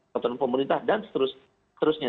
konten pemerintah dan seterusnya